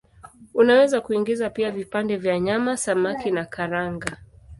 Unaweza kuingiza pia vipande vya nyama, samaki na karanga.